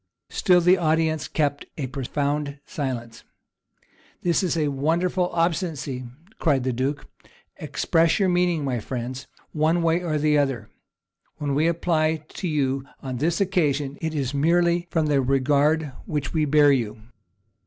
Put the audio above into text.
Still the audience kept a profound silence. "This is wonderful obstinacy," cried the duke: "express your meaning, my friends, one way or other: when we apply to you on this occasion, it is merely from the regard which we bear to you.